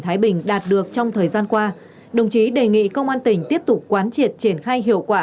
thái bình đạt được trong thời gian qua đồng chí đề nghị công an tỉnh tiếp tục quán triệt triển khai hiệu quả